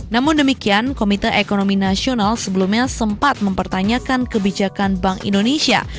namun demikian komite ekonomi nasional sebelumnya sempat mempertanyakan kebijakan bank indonesia